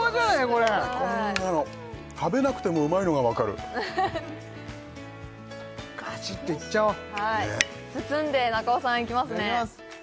これこんなの食べなくてもうまいのがわかるガシッていっちゃおうねっ包んで中尾さんいきますねいただきます！